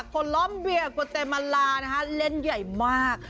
โคลอมเบียโกเตมาลาเล่นใหญ่มาก